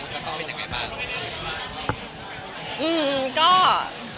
ก็เลยเอาข้าวเหนียวมะม่วงมาปากเทียน